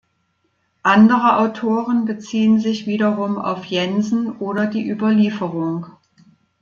Andere Autoren beziehen sich wiederum auf Jensen oder die Überlieferung.